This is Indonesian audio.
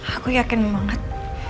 aku yakin banget